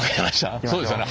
そうですよね。